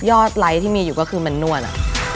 ไลค์ที่มีอยู่ก็คือมันนวด